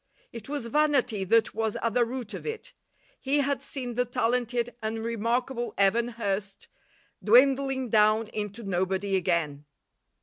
It was vanity that was at the root of it. He had seen the talented and remarkable Evan Hurst dwindling down into nobody again.